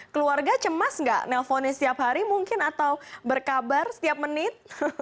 keluarga cemas nggak nelfonnya setiap hari mungkin atau berkabar setiap menit